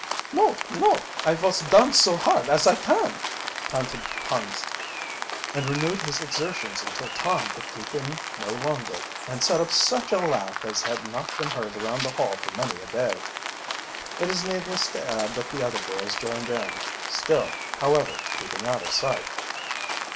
"No, no; I vos dance so hard as I can!" panted Hans, and renewed his exertions until Tom could keep in no longer, and set up such a laugh as had not been heard around the Hall for many a day. It is needless to add that the other boys joined in, still, however, keeping out of sight.